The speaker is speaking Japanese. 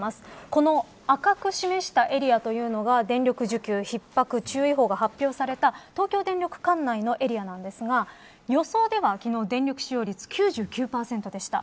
この赤く示したエリアというのは電力需給ひっ迫注意報が発表された東京電力管内のエリアなんですが予想では昨日、電力使用率９９％でした。